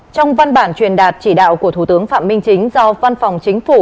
trong văn bản truyền đạt chỉ đạo của thủ tướng phạm minh chính do văn phòng chính phủ